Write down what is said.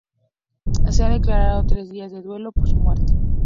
Se han declarado tres días de duelo por su muerte.